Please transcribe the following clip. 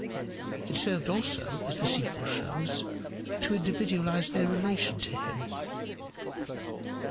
It served also, as the sequel shows, to individualize their relation to him.